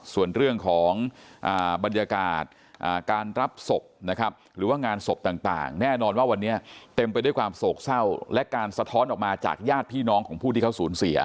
ส่วนเรื่องของบรรยากาศการรับศพนะครับหรือว่างานศพต่างแน่นอนว่าวันนี้เต็มไปด้วยความโศกเศร้าและการสะท้อนออกมาจากญาติพี่น้องของผู้ที่เขาสูญเสีย